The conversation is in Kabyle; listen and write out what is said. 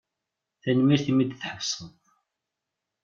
Tanemmirt imi d-tḥebsed.